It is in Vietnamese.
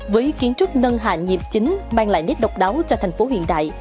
với kiến trúc nâng hạ nhịp chính mang lại nét độc đáo cho thành phố hiện đại